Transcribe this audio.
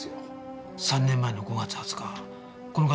３年前の５月２０日この方